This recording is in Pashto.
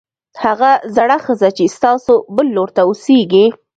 هغه زړه ښځه چې ستاسو بل لور ته اوسېږي